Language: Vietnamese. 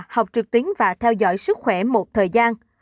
học trực tuyến và theo dõi sức khỏe một thời gian